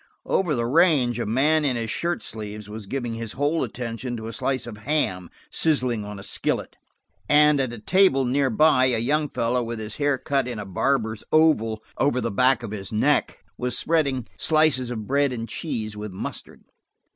Over the range a man in his shirt sleeves was giving his whole attention to a slice of ham, sizzling on a skillet, and at a table near by a young fellow, with his hair cut in a barber's oval over the back of his neck, was spreading slices of bread and cheese with mustard.